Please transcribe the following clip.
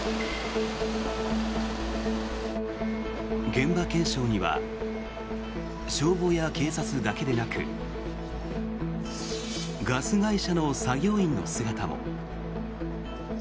現場検証には消防や警察だけでなくガス会社の作業員の姿も。